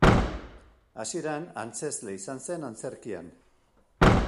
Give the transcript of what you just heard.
Hasieran antzezle izan zen antzerkian.